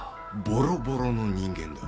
ボロボロの人間だ。